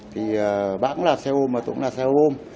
thì bác cũng là xe ôm mà tôi cũng là xe ôm